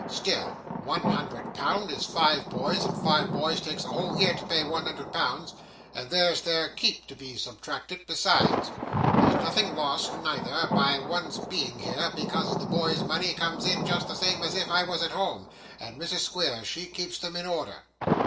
Still, one hundred pound is five boys, and five boys takes a whole year to pay one hundred pounds, and there's their keep to be substracted, besides. There's nothing lost, neither, by one's being here; because the boys' money comes in just the same as if I was at home, and Mrs. Squeers she keeps them in order.